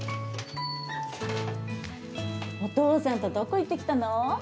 お父さんとどこ行ってきたの。